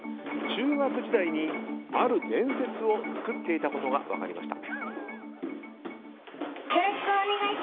中学時代にある伝説を作っていたことが分かりました。